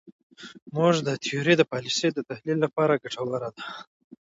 زموږ تیوري د پالیسیو د تحلیل لپاره ګټوره ده.